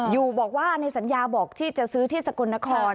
อยู่บอกว่าในสัญญาบอกที่จะซื้อที่สกลนคร